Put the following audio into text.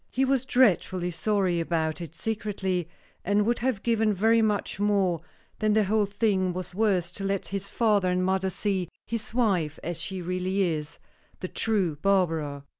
He was dreadfully sorry about it secretly, and would have given very much more than the whole thing was worth to let his father and mother see his wife as she really is the true Barbara.